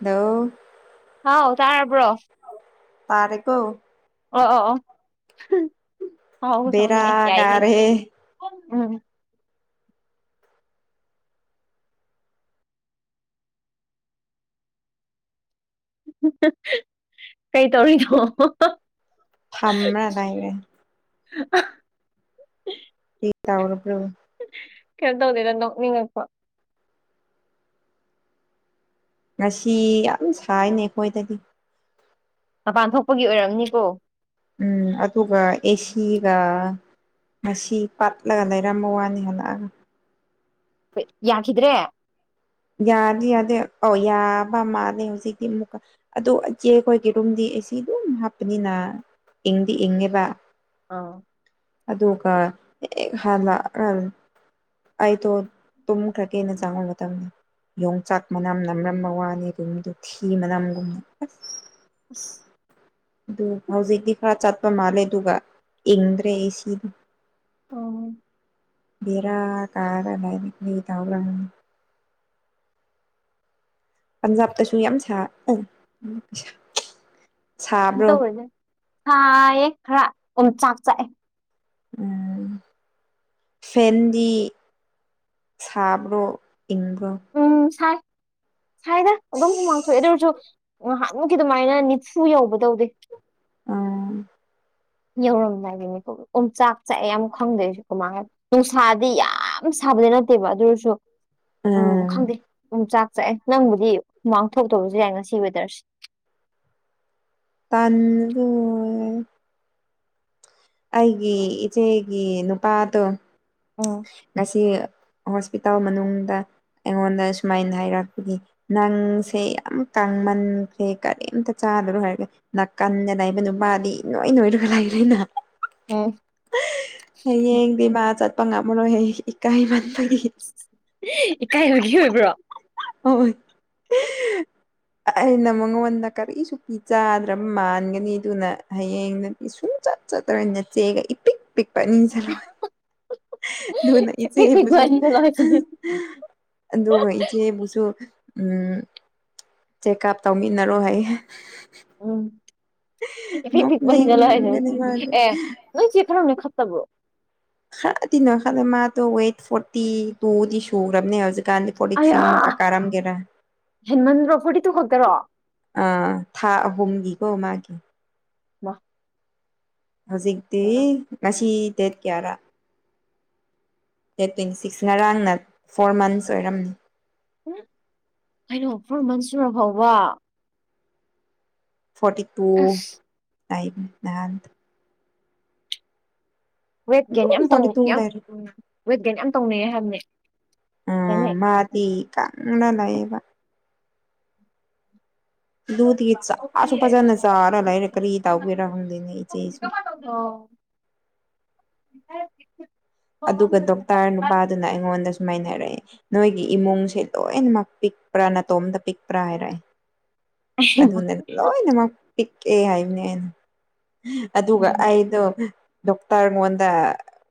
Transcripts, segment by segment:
ꯅꯣ ꯍꯥꯎ ꯇꯥꯔꯕ꯭ꯔꯣ ꯇꯥꯔꯦꯀꯣ ꯑꯣ ꯑꯣ ꯑꯣ ꯁꯥꯎ ꯁꯥꯎꯅꯤꯡꯉꯦ ꯕꯦꯔꯥ ꯌꯥꯏꯍꯦ ꯀꯥꯔꯦ ꯎꯝ ꯀꯩ ꯇꯧꯔꯤꯅꯣ ꯐꯝꯔꯥ ꯂꯩꯌꯦ [unintelligible] ꯀꯔꯤ ꯇꯧꯔꯥꯕꯔꯣ ꯀꯩꯝ ꯇꯧꯗꯦꯗꯥ ꯅꯣꯛꯅꯤꯡꯉꯛꯄꯥ ꯉꯁꯤ ꯌꯥꯝ ꯁꯥꯏꯅꯦ ꯑꯩꯈꯣꯏꯗꯗꯤ ꯃꯄꯥꯟ ꯊꯣꯛꯄꯒꯤ ꯑꯣꯏꯔꯝꯅꯤꯀꯣ ꯎꯝ ꯑꯗꯨꯒꯥ ꯑꯦꯁꯤꯒꯥ ꯉꯁꯤ ꯄꯥꯠꯂꯒ ꯂꯩꯔꯝꯕꯥ ꯋꯥꯅꯤ ꯍꯜꯂꯛꯑꯥ ꯍꯣꯏ ꯌꯥꯈꯤꯗ꯭ꯔꯦ ꯌꯥꯗꯤ ꯌꯥꯗꯦ ꯑꯥꯎ ꯌꯥꯕ ꯃꯥꯂꯦ ꯍꯧꯖꯤꯛꯇꯤ ꯑꯃꯨꯛ ꯑꯗꯣ ꯑꯆꯦ ꯈꯣꯏꯒꯤ ꯔꯨꯝꯗꯤ ꯑꯩ ꯁꯤ ꯗꯨꯝ ꯍꯥꯞꯄꯅꯤꯅ ꯏꯪꯗꯤ ꯏꯪꯉꯦꯕ ꯑꯣ ꯑꯗꯨꯒꯥ ꯍꯦꯛ ꯍꯟꯅ ꯑꯩꯗꯣ ꯇꯨꯝꯈ꯭ꯔꯒꯦꯅꯥ ꯆꯪꯕꯥ ꯃꯇꯝ ꯌꯣꯡꯆꯥꯛ ꯃꯅꯝ ꯅꯝꯔꯝꯕꯥ ꯋꯥꯅꯤ ꯑꯗꯨ ꯃꯤꯗꯨ ꯊꯤ ꯃꯅꯝꯒꯨꯝꯕꯥ ꯑꯁ [unintelligible] ꯑꯗꯨ ꯍꯧꯖꯤꯛꯇꯤ ꯈꯔ ꯆꯠꯄ ꯃꯥꯜꯂꯦ ꯑꯗꯨꯒ ꯏꯪꯗ꯭ꯔꯦ ꯑꯦꯁꯤ ꯑꯣ ꯕꯦꯔꯥ ꯀꯥꯔꯥ ꯂꯩ ꯀꯔꯤ ꯇꯧꯔꯕꯥ ꯈꯪꯗꯦ ꯄꯟꯖꯥꯕꯇꯥꯁꯨ ꯌꯥꯝ ꯁꯥ ꯁꯥꯕ꯭ꯔꯣ ꯁꯥꯏꯌꯦ ꯈꯔꯥ ꯑꯣꯝ ꯆꯥꯛ ꯆꯥꯛꯑꯦ ꯎꯝ ꯐꯦꯟꯗꯤ ꯁꯥꯕ꯭ꯔꯣ ꯏꯪꯕ꯭ꯔꯣ ꯎꯝ ꯁꯥꯏ ꯁꯥꯏꯗꯥ ꯑꯗꯨꯝ ꯍꯨꯃꯥꯡꯊꯣꯛꯑꯦ ꯑꯗꯨ ꯑꯣꯏꯔꯁꯨ ꯉꯥꯍꯥꯟꯃꯨꯛꯀꯤ ꯑꯗꯨꯃꯥꯏꯅ ꯅꯤꯐꯨ ꯌꯧꯕꯇꯧꯗꯦ ꯎꯝ ꯌꯧꯔꯝꯗꯥꯏꯒꯤ ꯑꯣꯝ ꯆꯥꯛ ꯆꯥꯛꯑꯦ ꯌꯥꯝ ꯈꯪꯗꯦ ꯑꯩꯁꯨ ꯀꯃꯥꯏ ꯅꯨꯡꯁꯥꯗꯤ ꯌꯥꯝ ꯁꯥꯕꯗꯤ ꯅꯠꯇꯦꯕ ꯑꯗꯨ ꯑꯣꯏꯔꯥꯁꯨ ꯎꯝ ꯈꯪꯗꯦ ꯑꯣꯝꯆꯥꯛ ꯆꯥꯛꯑꯦ ꯅꯪꯕꯨꯗꯤ ꯍꯨꯃꯥꯡ ꯊꯣꯛꯇꯥꯕꯁꯨ ꯌꯥꯏ ꯉꯥꯁꯤ ꯋꯦꯗꯔꯁꯦ ꯇꯟꯕꯥꯗꯨ ꯑꯣꯏꯌꯦ ꯑꯩꯒꯤ ꯏꯆꯦꯒꯤ ꯅꯨꯄꯥꯗꯣ ꯎꯝ ꯉꯥꯁꯤ ꯍꯣꯁꯄꯤꯇꯥꯜ ꯃꯅꯨꯡꯗꯥ ꯑꯩꯉꯣꯟꯗ ꯁꯨꯃꯥꯏꯅ ꯍꯥꯏꯔꯛꯄꯒꯤ ꯅꯪꯁꯦ ꯌꯥꯝ ꯀꯥꯡꯃꯟꯈꯔꯦ ꯀꯔꯤꯝꯇꯥ ꯆꯥꯗꯔꯣ ꯍꯥꯏꯕꯅꯤ ꯅꯥꯀꯟꯗꯥ ꯂꯩꯕ ꯅꯨꯄꯥꯗꯤ ꯏꯅꯣꯏ ꯅꯣꯏꯔꯒꯥ ꯂꯩꯔꯦꯅꯥ ꯎꯝ ꯍꯌꯦꯡꯗꯤ ꯃꯥ ꯆꯠꯄ ꯉꯝꯃꯥꯔꯣꯏ ꯍꯥꯏꯌꯦ ꯏꯀꯥꯏꯕ ꯏꯀꯥꯏꯕꯒꯤ ꯑꯣꯏꯕ꯭ꯔꯣ ꯍꯣꯏ ꯑꯩꯅ ꯃꯥꯉꯣꯟꯗꯥ ꯀꯔꯤꯁꯨ ꯄꯤꯖꯥꯗ꯭ꯔꯕꯥ ꯃꯥꯟꯒꯅꯤ ꯑꯗꯨꯅ ꯍꯌꯦꯡ ꯁꯨꯡ ꯆꯠ ꯆꯠꯂꯥꯔꯣꯏ ꯅꯥꯆꯦꯒꯥ ꯏꯄꯤꯛ ꯄꯤꯛꯄꯥ ꯑꯗꯨꯅꯥ ꯏꯄꯤꯛ ꯄꯤꯛꯄ ꯏꯆꯦꯕꯨꯁꯨ ꯑꯅꯤꯗ ꯂꯧꯔꯤꯁꯤꯅꯦ ꯑꯗꯨꯒꯥ ꯏꯆꯦꯕꯨꯁꯨ ꯎꯝ ꯆꯦꯛꯑꯞ ꯇꯧꯃꯤꯟꯅꯔꯣ ꯍꯥꯏꯌꯦ ꯅꯣꯛꯅꯤꯡꯒꯅꯤ ꯃꯥꯗꯤ [unintelligible] ꯅꯣꯏꯆꯦ ꯈꯔ ꯅꯦꯏꯈꯠꯇꯕ꯭ꯔꯣ ꯈꯔꯗꯤ ꯅꯣꯏꯈꯠꯂꯦ ꯃꯥꯗꯣ ꯋꯦꯠ ꯐꯣꯔꯇꯤ ꯇꯨꯗꯤ ꯁꯨꯈ꯭ꯔꯕꯅꯦ ꯍꯧꯖꯤꯛ ꯥꯀꯥꯟꯗꯤ ꯐꯣꯔꯇꯤ ꯊ꯭ꯔꯤ ꯑꯌꯥ ꯃꯨꯛꯀꯥ ꯀꯥꯔꯝꯒꯦꯔꯥ ꯍꯦꯟꯃꯟꯗ꯭ꯔꯣ ꯐꯣꯔꯇꯤ ꯇꯨ ꯈꯛꯇꯔꯣ ꯑꯥ ꯊꯥ ꯑꯍꯨꯝꯒꯤꯀꯣ ꯃꯥꯒꯤ ꯋꯥ [unintelligible] ꯍꯧꯖꯤꯛꯇꯤ ꯉꯁꯤ ꯗꯦꯠ ꯀꯌꯥꯔꯥ ꯗꯦꯠ ꯇ꯭ꯋꯦꯟꯇꯤ ꯁꯤꯛꯁ ꯉꯔꯥꯡꯅ ꯐꯣꯔ ꯃꯟꯁ ꯑꯣꯏꯔꯝꯃꯤ ꯎ ꯀꯩꯅꯣ ꯐꯣꯔ ꯃꯟ ꯁꯨꯔ ꯐꯥꯎꯕ ꯐꯣꯔꯇꯤ ꯇꯨ ꯑꯁ ꯅꯍꯟ ꯋꯦꯠ ꯒꯦꯟ ꯑꯗꯨꯝ ꯌꯥꯝ ꯇꯧ ꯐꯣꯔꯇꯤ ꯇꯨ ꯌꯥꯝ ꯂꯩꯔꯦ ꯎ ꯋꯦꯠ ꯒꯦꯟ ꯌꯥꯝ ꯇꯧꯅꯩꯌꯦ ꯍꯥꯏꯕꯅꯤ ꯌꯥꯅꯦ ꯑꯗꯤ ꯀꯟꯅ ꯂꯩꯌꯦꯕꯥ ꯗꯨꯠꯒꯤ ꯆꯥꯁꯨ ꯐꯖꯅ ꯆꯥꯔ ꯂꯩꯔꯦ ꯀꯔꯤ ꯇꯥꯎꯒꯦꯔ ꯈꯪꯗꯦꯅꯦ ꯏꯆꯦꯁꯦ ꯑꯣ ꯑꯗꯨꯒ ꯗꯣꯛꯇꯔ ꯅꯨꯄꯥꯗꯨꯅ ꯑꯩꯉꯣꯟꯗ ꯁꯨꯃꯥꯏꯅ ꯍꯥꯏꯔꯛꯑꯦ ꯅꯣꯏꯒꯤ ꯏꯃꯨꯡꯁꯦ ꯂꯣꯏꯅꯃꯛ ꯄꯤꯛꯄ꯭ꯔꯥ ꯅꯥꯇꯣꯝꯇ ꯄꯤꯛꯄ꯭ꯔꯥ ꯍꯥꯏꯔꯛꯑꯦ ꯑꯗꯨꯅ ꯂꯣꯏꯅꯃꯛ ꯄꯤꯛꯑꯦ ꯍꯥꯏꯕꯅꯦ ꯑꯩꯅ ꯑꯗꯨꯒ ꯑꯩꯗꯣ ꯗꯣꯛꯇꯔꯉꯣꯟꯗ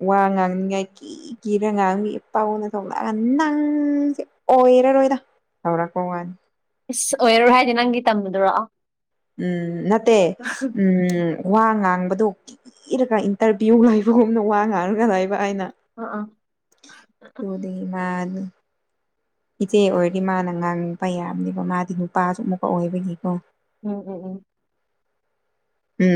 ꯋꯥ ꯉꯥꯡꯅꯤꯡꯉꯥꯏꯒꯤ ꯒꯤꯔ ꯉꯥꯡꯒꯤ ꯄꯥꯎꯅ [unintelligible] ꯊꯣꯛꯂꯛꯑꯒ ꯅꯪꯁꯦ ꯑꯣꯏꯔꯔꯣꯏꯗ ꯇꯧꯔꯛꯄꯥ ꯋꯥꯅꯤ ꯏꯁ ꯑꯣꯏꯔꯔꯣꯏ ꯍꯥꯏꯗꯤ ꯅꯪꯒꯤ ꯇꯝꯕꯗꯨꯔꯣ ꯎꯝ ꯅꯠꯇꯦ ꯎꯝ ꯋꯥ ꯉꯥꯡꯕꯗꯣ ꯀꯤꯔꯒ ꯏꯟꯇꯔꯚꯤꯌꯨ ꯂꯩꯕꯒꯨꯝꯅ ꯋꯥ ꯉꯥꯡꯉꯒ ꯂꯩꯕ ꯑꯩꯅ ꯑ ꯑꯥ ꯑꯗꯨꯕꯥ [unintelligible] ꯏꯆꯦ ꯑꯣꯏꯔꯗꯤ ꯃꯥꯅ ꯉꯥꯡꯕ ꯌꯥꯕꯅꯦꯕ ꯃꯥꯗꯤ ꯅꯨꯄꯥꯁꯨ ꯑꯃꯨꯛꯀ ꯑꯣꯏꯕꯒꯤꯀꯣ ꯎꯝ ꯎꯝ ꯎꯝ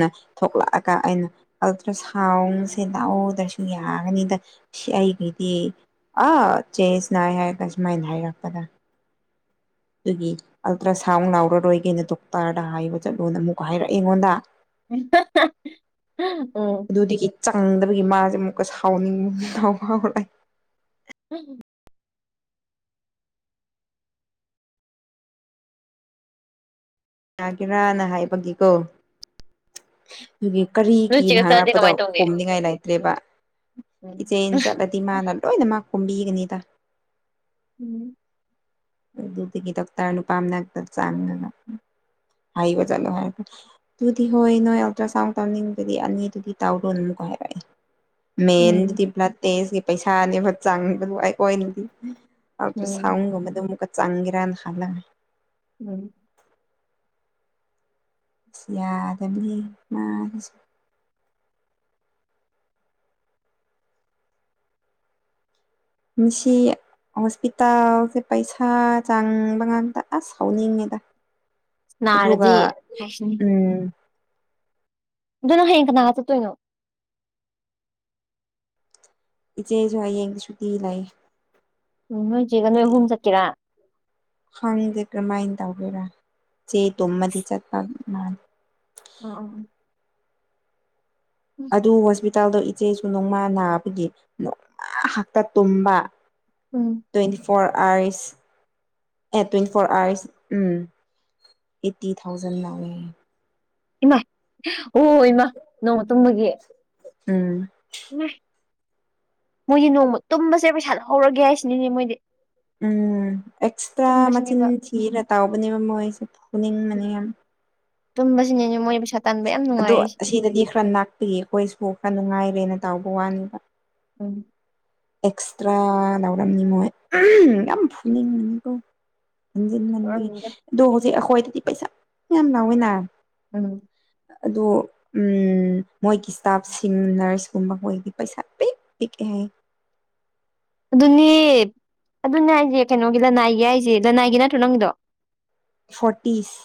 ꯎ ꯊꯣꯛꯂꯛꯑꯒ ꯑꯩꯅ ꯑꯜꯇ꯭ꯔ ꯁꯥꯎꯟꯁꯦ ꯂꯥꯛꯎꯗ꯭ꯔꯁꯨ ꯌꯥꯒꯅꯤꯗ ꯁꯤ ꯑꯩꯒꯤꯗꯤ ꯑꯥ ꯆꯦꯟꯖ ꯅꯥꯏ ꯍꯥꯏꯔꯒ ꯁꯨꯃꯥꯏꯅ ꯍꯥꯏꯔꯛꯄꯗ ꯑꯗꯨꯒꯤ ꯑꯜꯇ꯭ꯔ ꯁꯥꯎꯟ ꯂꯥꯎꯔꯔꯣꯏꯒꯦꯅ ꯗꯣꯛꯇꯔꯗ ꯍꯥꯏꯕ ꯆꯠꯂꯣꯅ ꯑꯃꯨꯛꯀ ꯍꯥꯏꯔꯛꯑꯦ ꯑꯩꯉꯣꯟꯗ ꯑꯝ ꯑꯗꯨꯗꯒꯤ ꯆꯪꯗꯕꯒꯤ ꯃꯥꯁꯦ ꯑꯃꯨꯛꯀ ꯁꯥꯎꯟ ꯍꯥꯎ ꯂꯥꯛ ꯎꯝ ꯎꯝ ꯌꯥꯒꯦꯔꯅ ꯍꯥꯏꯕꯒꯤꯀꯣ ꯑꯗꯨꯒꯤ ꯅꯣꯏ ꯀꯔꯤꯒꯤꯅ ꯆꯦꯒ ꯆꯠꯂꯗꯤ ꯍꯥꯡꯅꯔꯛꯄꯗꯣ ꯀꯃꯥꯏꯅ ꯇꯧꯅꯤ ꯈꯣꯝꯅꯤꯡꯉꯥꯏ ꯂꯩꯇ꯭ꯔꯦꯕ ꯎꯝ ꯏꯆꯦ ꯎꯝ ꯆꯠꯂ ꯢꯃꯥꯅ ꯂꯣꯏꯅ ꯃꯛ ꯈꯨꯝꯕꯤꯒꯅꯤꯗ ꯎꯝ ꯑꯗꯨꯗꯒꯤ ꯗꯣꯛꯇꯔ ꯅꯨꯄꯥ ꯅꯥꯛꯇ ꯆꯥꯡꯉꯒ ꯍꯥꯢꯕ ꯆꯠꯂꯣ ꯍꯥꯢꯔꯒ ꯑꯗꯨꯗꯤ ꯍꯣꯏ ꯅꯣꯏ ꯑꯜꯇ꯭ꯔ ꯁꯥꯎꯟ ꯇꯧꯅꯤꯡꯕꯗꯤ ꯑꯅꯤꯗꯨꯗꯤ ꯇꯧꯔꯣꯅꯨꯀꯣ ꯍꯥꯏꯔꯛꯑꯦ ꯎꯝ ꯃꯦꯟꯗꯨꯗꯤ ꯎꯝ ꯕ꯭ꯂꯗ ꯇꯦꯁꯀꯤ ꯄꯩꯁꯥꯅꯦ ꯆꯪꯕꯗꯨ ꯑꯩꯈꯣꯏꯅꯗꯤ ꯑꯥꯟꯇ꯭ꯔꯥ ꯎꯝ ꯁꯥꯎꯒꯨꯝꯕꯗꯣ ꯑꯃꯨꯛ ꯆꯥꯡꯒꯤꯔꯅ ꯍꯥꯥꯟꯅ ꯎꯝ ꯑꯁ ꯌꯥꯒꯥꯅꯤ ꯃꯥꯅꯁꯨ ꯅꯨꯡꯁꯤ ꯍꯣꯁꯄꯤꯇꯥꯜꯁꯦ ꯄꯩꯁꯥ ꯆꯥꯡꯕ ꯉꯥꯛꯇ ꯑꯁ ꯍꯧꯥꯎꯅꯤꯡꯉꯦꯗ ꯑꯗꯨꯒ ꯅꯥꯔꯗꯤ ꯍꯥꯏꯁꯤꯅꯤ ꯎꯝ ꯑꯗꯨ ꯅꯪ ꯍꯥꯌꯦꯡ ꯀꯅꯥꯒ ꯆꯠꯇꯣꯏꯅꯣ ꯏꯆꯦꯁꯨ ꯍꯌꯦꯡꯗꯤ ꯁꯨꯇꯤ ꯂꯩ ꯎꯝ ꯅꯣꯏ ꯆꯦꯒ ꯅꯣꯏ ꯑꯍꯨꯝ ꯆꯠꯀꯦꯔꯥ ꯈꯪꯗꯦ ꯀꯃꯥꯏꯅ ꯇꯧꯒꯦꯔꯥ ꯆꯦꯛ ꯇꯨꯝꯃꯗꯤ ꯆꯠꯄ ꯃꯥ ꯑꯣ ꯑꯣ ꯑꯗꯨ ꯍꯣꯁꯄꯤꯇꯥꯜꯗꯣ ꯏꯆꯦꯁꯨ ꯅꯣꯡꯃꯥ ꯅꯥꯕꯒꯤ ꯅꯣꯡꯃꯥ ꯍꯥꯛꯇ ꯇꯨꯝꯕ ꯎꯝ ꯇ꯭ꯋꯦꯟꯇꯤ ꯐꯣꯔ [unintelligible] ꯑꯦ ꯇ꯭ꯋꯦꯟꯇꯤ ꯐꯣꯔ ꯑꯥꯋꯔꯁ ꯎꯝ ꯑꯩꯠꯇꯤ ꯊꯥꯎꯖꯟ ꯂꯧꯋꯦ ꯏꯃꯥꯢ ꯑꯣ ꯏꯃꯥ ꯅꯣꯡꯃ ꯇꯨꯝꯕꯒꯤ ꯎꯝ ꯃꯣꯏꯗꯤ ꯅꯣꯡꯃ ꯇꯨꯝꯕꯁꯦ ꯄꯩꯁꯥꯗ ꯍꯧꯔꯒꯦ ꯍꯥꯏꯁꯤꯅꯤꯅꯦ ꯃꯣꯏꯗꯤ ꯎꯝ ꯑꯦꯛꯁꯇ꯭ꯔꯥ ꯃꯆꯤꯟ ꯇꯨꯝꯕꯁꯤꯅꯦꯕ ꯊꯤꯔ ꯇꯥꯎꯧꯕꯅꯦꯕ ꯃꯣꯏꯁꯦ ꯐꯨꯅꯤꯡꯕꯅꯤ ꯌꯥꯝ ꯇꯨꯝꯕꯁꯤꯅꯤꯅꯦ ꯃꯣꯏꯅ ꯄꯩꯁꯥ ꯇꯥꯟꯕ ꯌꯥꯝ ꯅꯨꯡꯉꯥꯏꯔꯤꯁꯦ [unintelligible] ꯑꯩꯗꯒꯤ ꯑꯩꯈꯣꯏꯁꯨ ꯈꯔ ꯅꯨꯡꯉꯥꯏꯔꯦꯅ ꯇꯥꯎꯕ ꯋꯥꯅꯦꯕ ꯎꯝ ꯑꯦꯛꯁꯇ꯭ꯔꯥ ꯂꯩꯔꯝꯅꯤ ꯃꯣꯏ ꯌꯥꯝ ꯐꯨꯂꯤꯡꯅꯤꯕꯣ ꯍꯟꯖꯤꯟ ꯍꯟꯕꯒꯤ ꯑꯣꯏꯔꯝꯅꯤꯗ ꯑꯗꯣ ꯍꯧꯖꯤꯛ ꯑꯩꯈꯣꯏꯗꯤ ꯄꯩꯁꯥ ꯌꯥꯝ ꯂꯧꯋꯤꯅ ꯎꯝ ꯑꯗꯨ ꯎꯝ ꯃꯣꯏꯒꯤ ꯏꯁꯇꯥꯐꯁꯤꯡ ꯅꯔꯁꯀꯨꯝꯕ ꯃꯣꯏꯒꯤ ꯄꯩꯁꯥ ꯄꯤꯛ ꯄꯤꯛꯑꯦ ꯍꯥꯢꯌꯦ ꯑꯗꯨꯅꯦ ꯑꯗꯨꯅꯦ ꯍꯥꯏꯁꯦ ꯀꯩꯅꯣꯒꯤ ꯔꯥꯅꯥꯏꯒꯤ ꯍꯥꯏꯁꯦ ꯔꯥꯅꯥꯏꯒꯤ ꯅꯠꯇ꯭ꯔꯣ ꯅꯪꯒꯤꯗꯣ ꯐꯣꯔꯇꯤꯁ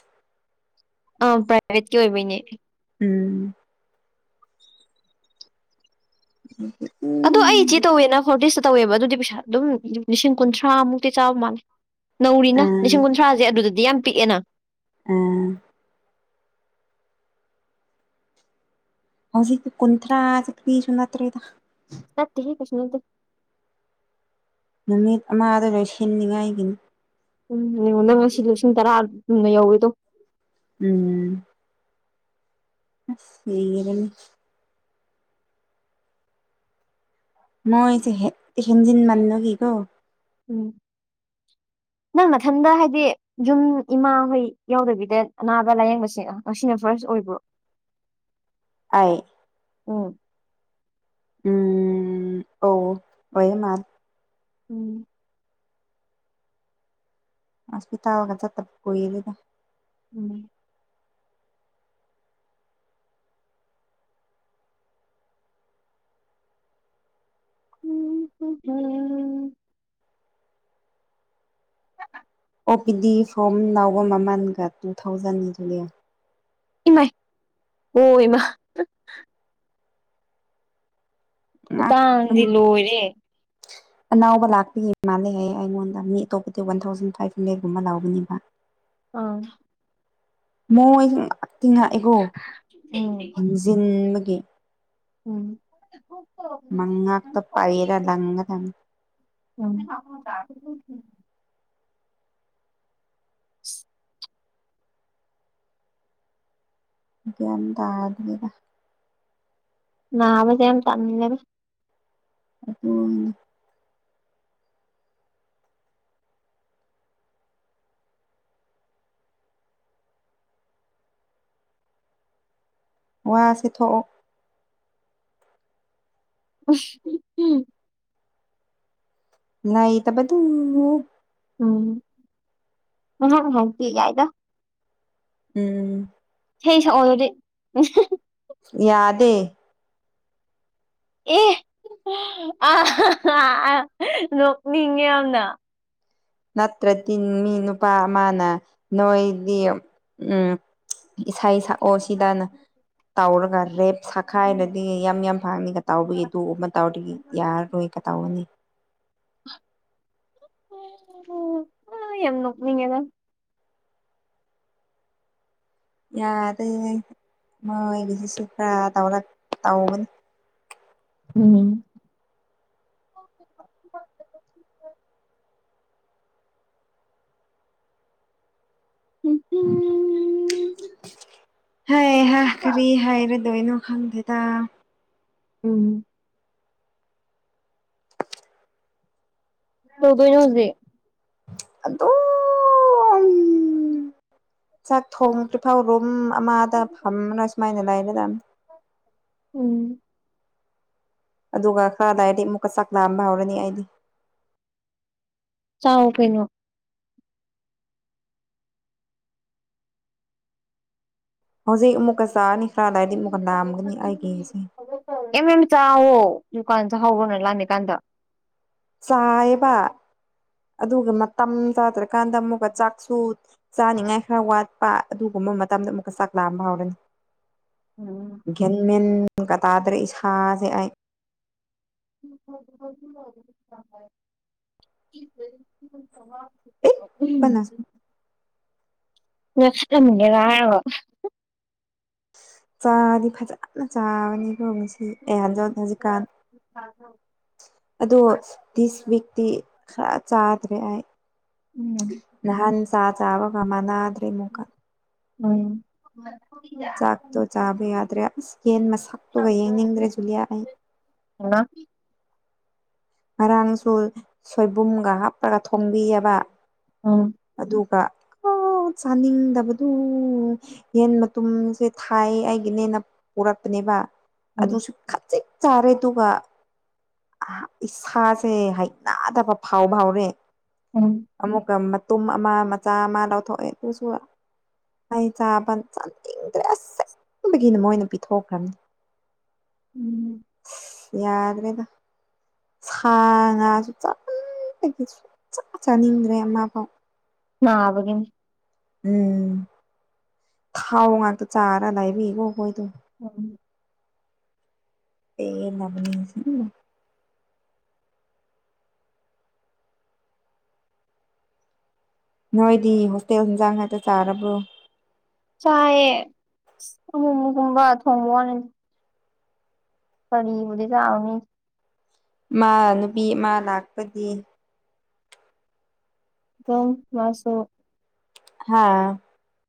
ꯑꯥ ꯄ꯭ꯔꯥꯏꯚꯦꯠꯀꯤ ꯑꯣꯏꯕꯩꯅꯦ ꯎꯝ [unintelligible] ꯑꯗꯣ ꯑꯩ ꯆꯦ ꯇꯧꯋꯦꯅ ꯐꯣꯔꯇꯤꯁꯇ ꯇꯧꯋꯦꯕ ꯑꯗꯨꯗꯤ ꯄꯩꯁꯥ ꯑꯗꯨꯝ ꯂꯤꯁꯤꯡ ꯀꯨꯟꯊ꯭ꯔꯥꯃꯨꯛꯇꯤ ꯆꯥꯕ ꯃꯥꯜꯂꯦ ꯑ ꯅꯧꯔꯤꯅ ꯂꯤꯁꯤꯡ ꯀꯨꯟꯊ꯭ꯔꯥꯁꯦ ꯑꯗꯨꯗꯗꯤ ꯌꯥꯝ ꯄꯤꯛꯑꯦꯅ ꯎꯝ ꯍꯧꯖꯤꯛ ꯀꯨꯟꯊ꯭ꯔꯥꯛꯁꯦ ꯀꯔꯤꯁꯨ ꯅꯠꯇ꯭ꯔꯦꯗ ꯅꯠꯇꯦꯍꯦ ꯀꯩꯁꯨ ꯅꯠꯇꯦ ꯅꯨꯃꯤꯠ ꯑꯃꯗ ꯂꯣꯏꯁꯤꯟꯅꯤꯉꯥꯏꯒꯤꯅꯤ ꯎꯝ ꯌꯦꯡꯉꯣ ꯅꯪ ꯉꯁꯤꯗꯪ ꯂꯤꯁꯤꯡ ꯇꯔꯥ ꯑꯗꯨꯨꯝꯅ ꯌꯧꯋꯦꯗꯣ ꯎꯝ ꯑꯁ ꯂꯤꯔꯥꯅꯤ ꯃꯣꯏ ꯍꯦꯟꯖꯤꯟ ꯃꯥꯥꯟꯕꯒꯤꯀꯣ ꯎꯝ ꯅꯪ ꯃꯊꯟꯗ ꯍꯥꯏꯗꯤ ꯌꯨꯝ ꯏꯃꯥꯍꯣꯏ ꯌꯥꯎꯗꯕꯤꯗ ꯑꯅꯥꯕ ꯂꯥꯏꯌꯦꯡꯕꯁꯦ ꯉꯁꯤꯅ ꯐꯥꯔꯁ ꯑꯣꯏꯕ꯭ꯔꯣ ꯑꯩ ꯎꯝ ꯎꯝ ꯑꯣ [unintelligible] ꯎꯝ ꯑꯁꯄꯤꯇꯥꯜꯒ ꯆꯠꯇꯥꯕ ꯀꯨꯏꯔꯦꯗꯥ ꯎꯝ [unintelligible] [unintelligible] ꯒꯥꯗꯤ ꯐꯣꯝ ꯂꯥꯎꯕ ꯃꯥꯃꯟꯒ ꯂꯤꯁꯤꯡ ꯑꯅꯤ ꯏꯃꯥꯏ ꯑꯣ ꯏꯃꯥ [unintelligible] ꯈꯨꯇꯥꯡꯗꯤ ꯂꯣꯏꯔꯦ ꯑꯅꯥꯎꯕ ꯂꯥꯛꯄꯒꯤ ꯃꯥꯜꯂꯦ ꯍꯥꯏ ꯑꯩꯉꯣꯟꯗ ꯃꯤ ꯑꯇꯣꯞꯄꯗꯤ ꯂꯤꯁꯤꯡ ꯑꯃꯒꯥ ꯆꯥꯝꯃꯥꯉꯥꯀꯨꯝꯕ ꯂꯧꯕꯅꯦꯕ [unintelligible] ꯑꯥ ꯃꯣꯏ ꯉꯛꯇꯤꯉꯛꯑꯦꯀꯣ ꯎꯝ ꯍꯦꯟꯖꯤꯟꯕꯒꯤ ꯎꯝ ꯃꯉꯥꯛꯇ ꯄꯩꯔꯥ ꯂꯪꯒꯗꯝꯅꯤ ꯑꯝ [unintelligible] [unintelligible] ꯒꯤꯌꯥꯟ ꯇꯥꯗ꯭ꯔꯤꯗ ꯅꯥꯕꯖꯦ ꯇꯟꯂꯦꯗꯥ ꯑꯗꯨꯅꯤ ꯋꯥꯁꯤ ꯊꯣꯛꯑꯣ [unintelligible] ꯅꯨꯡꯉꯥꯏꯇꯥꯕꯗꯨꯨ ꯎꯝ [unintelligible] ꯌꯥꯏꯗ ꯎꯝ ꯏꯁꯩ ꯁꯛꯑꯣ ꯑꯗꯨꯗꯤ ꯌꯥꯗꯦ ꯑꯦ [unintelligible] ꯅꯣꯛꯅꯤꯡꯉꯦ ꯌꯥꯝꯅ ꯅꯠꯇ꯭ꯔꯗꯤ ꯃꯤ ꯅꯨꯄꯥ ꯑꯃꯅ ꯅꯣꯏꯗꯤ ꯎꯝ ꯏꯁꯩ ꯁꯛꯑꯣ ꯁꯤꯗꯅ ꯇꯧꯔꯒ ꯔꯦꯞ ꯁꯛꯈꯥꯏꯔꯗꯤ ꯌꯥꯝ ꯌꯥꯝ ꯐꯥꯡꯅꯤ [unintelligible] [unintelligible] ꯌꯥꯝ ꯅꯣꯛꯅꯤꯡꯉꯦ ꯅꯪ ꯌꯥꯗꯦꯍꯦ ꯃꯣꯏꯒꯤꯁꯤꯁꯨꯨ ꯈꯔꯥ ꯇꯧꯔꯛ ꯇꯥꯎꯒꯅꯤ ꯎꯝ ꯎꯝ ꯍꯩꯍꯥ ꯀꯥꯔꯤ ꯍꯥꯏꯔꯥꯗꯣꯏꯅꯣ ꯈꯪꯗꯦ ꯎꯝ ꯀꯩꯗꯧꯗꯣꯏꯅꯣ ꯍꯧꯖꯤꯛ ꯑꯗꯨ [inaudible] ꯎꯝ ꯆꯥꯛ ꯊꯣꯡ ꯇ꯭ꯔꯤꯐꯥꯎ ꯔꯨꯝ ꯑꯃꯗ ꯐꯝꯃꯅꯥ ꯁꯨꯃꯥꯏꯅ ꯂꯩꯒꯗꯝꯅꯤ ꯎꯝ ꯑꯗꯨꯒ ꯈꯔꯥ ꯂꯩꯔꯗꯤ ꯑꯃꯨꯛꯀꯥ ꯆꯥꯛ ꯂꯥꯝꯕ ꯍꯧꯔꯅꯤ ꯑꯩꯗꯤ ꯆꯥꯎ ꯀꯩꯅꯣ ꯍꯧꯖꯤꯛ ꯑꯃꯨꯛꯀ ꯆꯥꯔꯅꯤ ꯈꯔꯥ ꯂꯩꯔꯗꯤ ꯑꯃꯨꯛꯀꯥ ꯂꯥꯝꯒꯅꯤ ꯑꯩꯒꯤꯅꯤꯁꯦ ꯑꯦꯝ ꯑꯦꯝ ꯆꯥꯋꯣ ꯗꯨꯀꯥꯟ ꯆꯥꯍꯧꯕꯣꯅ ꯂꯥꯝꯃꯤ ꯀꯥꯟꯗ ꯆꯥꯏꯕ ꯑꯗꯨꯒ ꯃꯇꯝ ꯆꯥꯗ꯭ꯔꯀꯥꯟꯗ ꯑꯃꯨꯛꯀ ꯆꯥꯛꯁꯨ ꯆꯥꯅꯤꯡꯉꯥꯏ ꯈ꯭ꯔ ꯋꯥꯠꯄ ꯑꯗꯨꯒꯨꯝꯕ ꯃꯇꯝꯗ ꯑꯃꯨꯛꯀ ꯆꯥꯛ ꯂꯥꯝꯑꯕꯅꯤ ꯎꯝ ꯒꯦꯟ ꯃꯦꯟꯀ ꯇꯥꯗ꯭ꯔꯦ ꯏꯁꯥꯖꯦ ꯑꯩ [unintelligible] ꯄꯤꯛꯄꯅ [unintelligible] ꯆꯥꯗꯤ ꯐꯖꯅ ꯆꯥꯕꯅꯤꯀꯣ ꯉꯥꯁꯤ [unintelligible] ꯍꯧꯖꯤꯛꯀꯥꯟ ꯑꯗꯣ ꯗꯤꯁ ꯋꯤꯛꯇꯤ ꯈ꯭ꯔ ꯆꯥꯗ꯭ꯔꯦ ꯑꯥꯏ ꯎꯝ ꯅꯍꯥꯟ ꯆꯥ ꯆꯥꯕꯒ ꯃꯥꯟꯅꯗ꯭ꯔꯦ ꯃꯨꯛꯀ ꯎꯝ ꯆꯥꯛꯇꯣ ꯆꯥꯕ ꯌꯥꯗ꯭ꯔꯦ ꯑꯁ ꯌꯦꯟ ꯃꯁꯛꯇꯨꯒ ꯌꯦꯡꯅꯤꯡꯗ꯭ꯔꯦ ꯖꯨꯂꯤꯌꯥ ꯑꯩ ꯍꯩꯃꯥ ꯉꯔꯥꯡꯁꯨ ꯁꯣꯏꯕꯨꯝꯒ ꯍꯥꯞꯔꯒ ꯊꯣꯡꯕꯤꯑꯕ ꯎꯝ ꯑꯗꯨꯒ ꯑꯣ ꯆꯥꯅꯤꯡꯗꯕꯗꯨ ꯌꯦꯟ ꯃꯇꯨꯝꯁꯦ ꯊꯥꯏ ꯑꯩꯒꯤꯅꯦꯅ ꯄꯨꯔꯛꯄꯅꯦꯕ ꯎꯝ ꯑꯗꯨꯁꯨ ꯈꯖꯤꯛ ꯆꯥꯔꯦ ꯑꯗꯨꯒ ꯑꯥ ꯏꯁꯥꯁꯦ ꯍꯩꯅꯥꯗꯕ ꯐꯥꯎꯕ ꯍꯧꯔꯦ ꯎꯝ ꯑꯃꯨꯛꯀ ꯃꯇꯨꯝ ꯑꯃ ꯃꯆꯥ ꯑꯃ ꯂꯧꯊꯣꯛꯑꯦ ꯑꯗꯨꯁꯨ ꯑꯥ ꯑꯩ ꯆꯥꯕ ꯆꯥꯅꯤꯡꯗ꯭ꯔꯦ ꯑꯁ ꯑꯁꯦꯡꯕꯒꯤꯅ ꯃꯣꯏꯅ ꯄꯤꯊꯣꯛꯈ꯭ꯔꯝꯅꯤ ꯎꯝ ꯁꯤꯁ ꯌꯥꯗ꯭ꯔꯦꯗ ꯁꯥ ꯉꯥꯁꯨ ꯆꯥꯃꯟꯕꯒꯤ ꯁꯨꯡꯆꯥ ꯆꯥꯅꯤꯡꯗ꯭ꯔꯦ ꯑꯃ ꯐꯥꯎ ꯅꯕꯒꯤꯅꯤ ꯎꯝ ꯊꯥꯎ ꯉꯥꯛꯇ ꯆꯥꯔꯥ ꯂꯩ ꯃꯤ ꯒꯣ ꯑꯣꯈꯩꯗꯣ [unintelligible] ꯄꯦꯜꯂꯕꯅꯤ ꯉꯁꯤ ꯅꯣꯏꯗꯤ ꯍꯣꯁꯇꯦꯜ ꯍꯤꯟꯖꯥꯡ ꯉꯥꯛꯇ ꯆꯥꯔꯕ꯭ꯔꯣ ꯆꯥꯛꯑ ꯑꯃꯨꯛ ꯃꯨꯛꯒꯨꯝꯕ ꯊꯣꯡꯕ ꯋꯥꯅꯤ ꯀꯔꯤꯕꯨꯗꯤ ꯆꯥꯎꯅꯤ ꯃꯥ ꯅꯨꯄꯤ ꯑꯃ ꯂꯥꯛꯄꯗꯤ [unintelligible] ꯃꯥꯁꯨ ꯍꯥꯥ